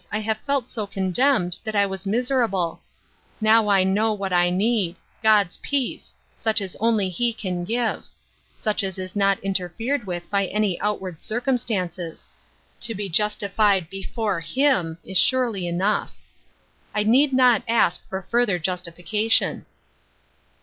I have felt so condemned that I was miserable Now I know what I need — God's peace — such as only he can give — such as is not interfered with by any outward circumstances. To be justified before him is surely enough. I need not ask for further justification."